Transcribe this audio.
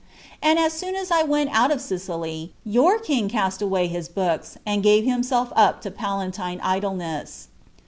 And as soon as I went out of Sicily, your Lisg cast away his books, and gave himself sp to palatine* idleuess.